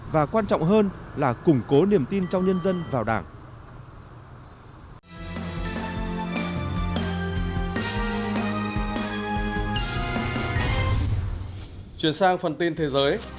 và quan trọng hơn là củng cố niềm tin trong nhân dân vào đảng